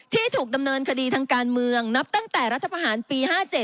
ที่ถูกดำเนินคดีทางการเมืองนับตั้งแต่รัฐประหารปี๕๗